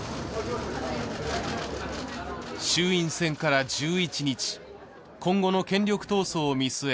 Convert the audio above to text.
衆院選から１１日今後の権力闘争を見据え